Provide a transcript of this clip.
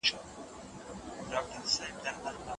موږ باید د اصلاح لپاره هڅه وکړو.